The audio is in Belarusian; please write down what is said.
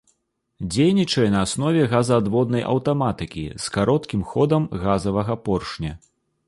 Дзейнічае на аснове газаадводнай аўтаматыкі з кароткім ходам газавага поршня.